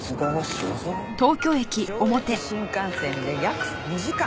上越新幹線で約２時間。